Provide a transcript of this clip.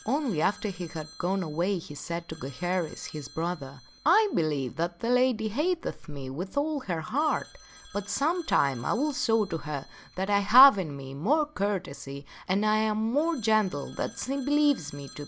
Only after he had gone away he said to Gaheris, his brother, " I believe that lady hateth me with all her heart ; but some time I will show to her that I have ,in me sir Gawaine more courtesy and am more gentle than she believes me to be.